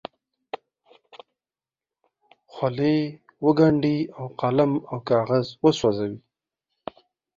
خولې وګنډي او قلم او کاغذ وسوځوي.